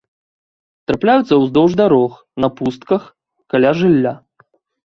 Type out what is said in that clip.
Трапляюцца ўздоўж дарог, на пустках, каля жылля.